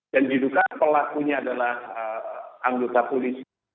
dan diduka pelakunya adalah anggota polisi